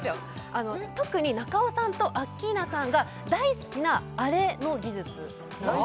特に中尾さんとアッキーナさんが大好きなアレの技術なんです